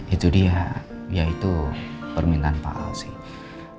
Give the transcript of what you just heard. itu dia yaitu permintaan pak al sih